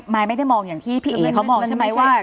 ยไม่ได้มองอย่างที่พี่เอ๋เขามองใช่ไหมว่า